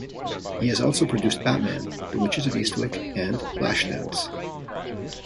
He has also produced "Batman", "The Witches of Eastwick", and "Flashdance.